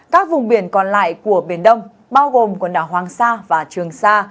các vùng biển còn lại của biển đông bao gồm quần đảo hoàng sa và trường sa